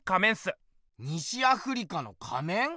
西アフリカの仮面？